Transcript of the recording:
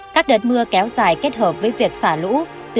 các đợt mưa kéo dài kết hợp với việc xả lũ